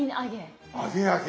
揚げ揚げ。